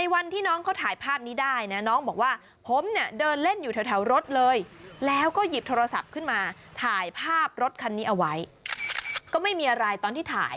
ว่านี้เอาไว้ก็ไม่มีอะไรตอนที่ถ่าย